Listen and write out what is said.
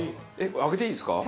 開けていいですか？